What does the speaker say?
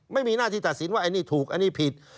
ไม่มีหน้าที่ตัดสินว่าอันนี้ถูกอันนี้ผิด